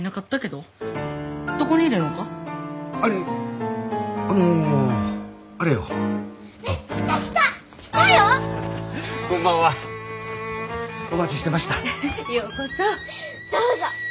どうぞ。